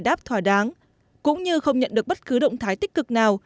đáp thỏa đáng cũng như không nhận được bất cứ động thái tích cực nào